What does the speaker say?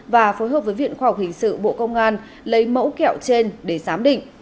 và phối hợp với viện khoa học hình sự bộ công an lấy mẫu kẹo trên để giám định